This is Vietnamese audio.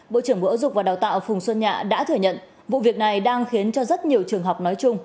bộ trưởng bộ giáo dục và đào tạo phùng xuân nhạ đã thừa nhận vụ việc này đang khiến cho rất nhiều trường học nói chung